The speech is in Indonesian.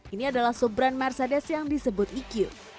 ini adalah sub brand mercedes yang disebut eq